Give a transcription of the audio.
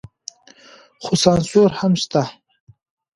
خو سانسور هم شته.